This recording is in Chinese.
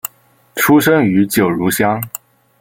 出生于九如乡。